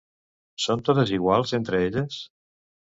Són totes iguals entre elles?